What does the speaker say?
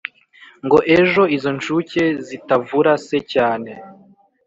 Ngo ejo izo nshuke zitavura se cyane